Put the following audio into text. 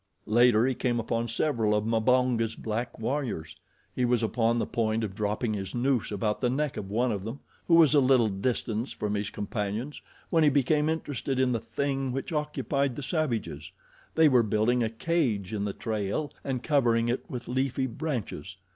Later he came upon several of Mbonga's black warriors. He was upon the point of dropping his noose about the neck of one of them, who was a little distance from his companions, when he became interested in the thing which occupied the savages. They were building a cage in the trail and covering it with leafy branches.